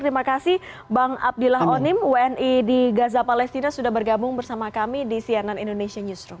terima kasih bang abdillah onim wni di gaza palestina sudah bergabung bersama kami di cnn indonesia newsroom